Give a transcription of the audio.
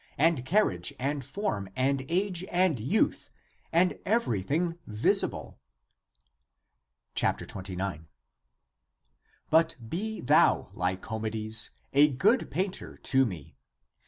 and carriage and form and age and youth and every thing visible. 29. " But be thou, Lycomedes, a good painter to me.